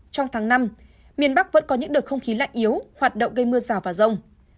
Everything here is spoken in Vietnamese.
trong tháng năm miền bắc vẫn có những đợt không khí lạnh yếu hoạt động gây mưa rào và rông